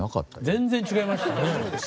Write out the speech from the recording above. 全然違いましたね。